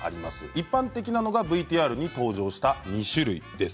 一般的なのがＶＴＲに登場した２種類です。